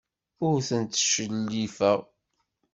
Ur tent-ttcellifeɣ.